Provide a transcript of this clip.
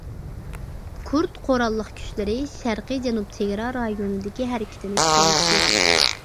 كۇرد قوراللىق كۈچلىرى شەرقىي جەنۇب چېگرا رايونىدىكى ھەرىكىتىنى كۈچەيتتى.